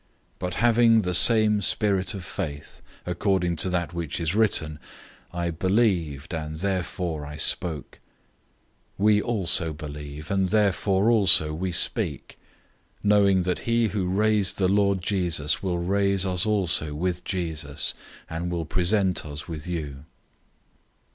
004:013 But having the same spirit of faith, according to that which is written, "I believed, and therefore I spoke."{Psalm 116:10} We also believe, and therefore also we speak; 004:014 knowing that he who raised the Lord Jesus will raise us also with Jesus, and will present us with you.